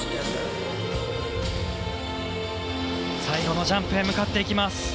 最後のジャンプへ向かっていきます。